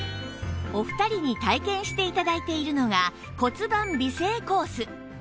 お二人に体験して頂いているのが骨盤美整コース